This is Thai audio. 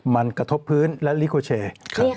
มันกระทบพื้นและนิโกแชครับ